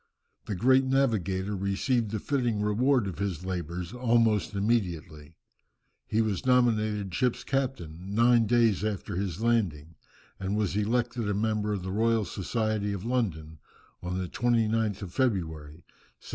The great navigator received the fitting reward of his labours almost immediately. He was nominated ship's captain nine days after his landing, and was elected a member of the Royal Society of London on the 29th of February, 1776.